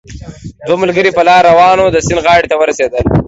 دوه ملګري په لاره روان وو، د سیند غاړې ته ورسېدل